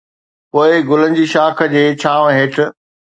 پوء گلن جي شاخ جي ڇانو هيٺ